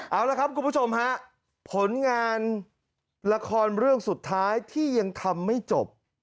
เอาละครับคุณผู้ชมฮะผลงานละครเรื่องสุดท้ายที่ยังทำไม่จบ